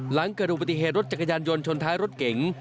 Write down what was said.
หลังเกิดอุบัติเหตุรถจักรยานยนต์ชนท้ายรถเก๋ง